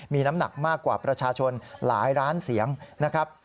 มีน้ำหนักมากกว่าประชาชนหลายล้านเสียงนะครับ